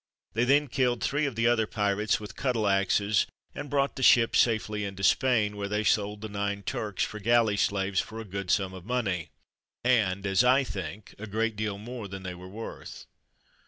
They then killed three of the other pirates with " cuttle axes," and brought the ship safely into Spain, "where they sold the nine Turkes for galley slaves for a good summe of money, and as I thinke, a great deale more than they were worth."